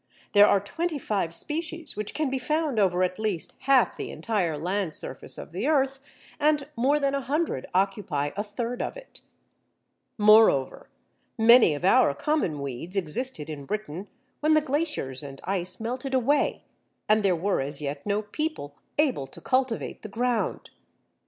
There are twenty five species which can be found over at least half the entire land surface of the earth, and more than a hundred occupy a third of it. Drude, Handbuch Pflanzengeographie, p. 107. Moreover, many of our common weeds existed in Britain when the glaciers and ice melted away, and there were as yet no people able to cultivate the ground.